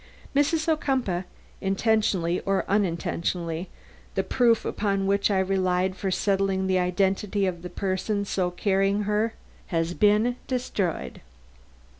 Mrs. Ocumpaugh, intentionally or unintentionally, the proof upon which I relied for settling the identity of the person so carrying her has been destroyed."